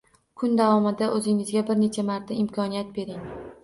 Kun davomida o’zingizga bir necha marta imkoniyat bering